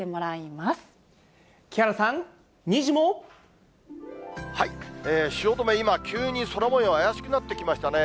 木原さん、汐留、今、急に空もよう、怪しくなってきましたね。